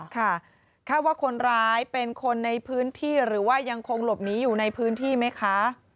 ค่ะคาดว่าคนร้ายเป็นคนในพื้นที่หรือว่ายังคงหลบหนีอยู่ในพื้นที่ไหมคะ